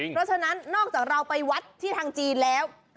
เพราะฉะนั้นนอกจากเราไปวัดที่ทางจีนแล้ว